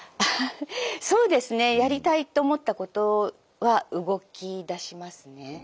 そうですねやりたいと思ったことは動きだしますね。